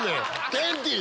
ケンティー！